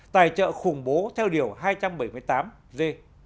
tài trợ khủng bố theo điều hai trăm bảy mươi tám g